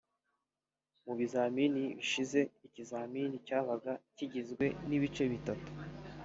Mu bizamini bishize; ikizamini cyabaga kigizwe n’ibice bitatu